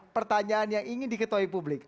pertanyaan yang ingin diketahui publik